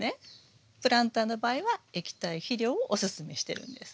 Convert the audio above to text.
プランターの場合は液体肥料をおすすめしてるんです。